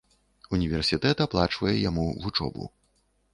Універсітэт аплачвае яму вучобу.